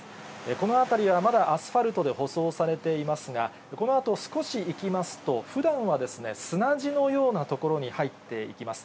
この辺りはまだアスファルトで舗装されていますが、このあと少し行きますと、ふだんは砂地のような所に入っていきます。